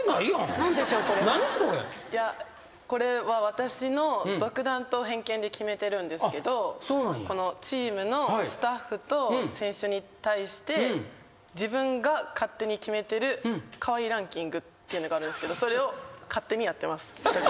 これは私の独断と偏見で決めてるんですけどチームのスタッフと選手に対して自分が勝手に決めてるかわいいランキングっていうのがあるんですけどそれを勝手にやってます。